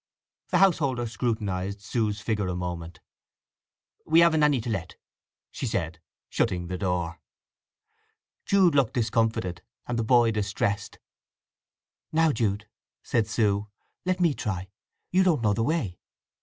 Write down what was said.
The householder scrutinized Sue's figure a moment. "We haven't any to let," said she, shutting the door. Jude looked discomfited, and the boy distressed. "Now, Jude," said Sue, "let me try. You don't know the way."